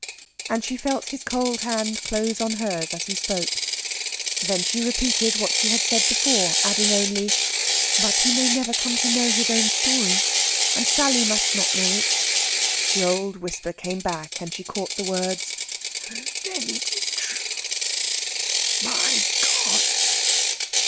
And she felt his cold hand close on hers as he spoke. Then she repeated what she had said before, adding only: "But he may never come to know his own story, and Sally must not know it." The old whisper came back, and she caught the words: "Then it is true! My God!"